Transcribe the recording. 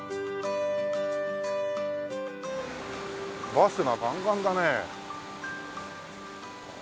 バスがガンガンだね。